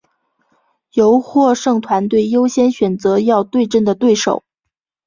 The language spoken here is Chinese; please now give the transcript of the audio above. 由获胜团队优先选择要对阵的对手。